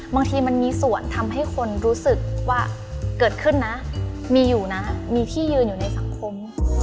บางทีมันมีส่วนทำให้คนรู้สึกว่าเกิดขึ้นนะมีอยู่นะมีที่ยืนอยู่ในสังคม